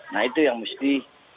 nah itu yang mesti